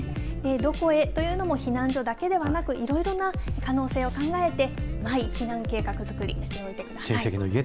どこへというのも、避難所だけではなく、いろいろな可能性を考えて、マイ避難計画作り、しておいてください。